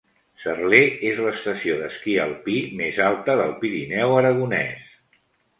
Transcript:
Cerler és l'estació d'esquí alpí més alta del Pirineu aragonès.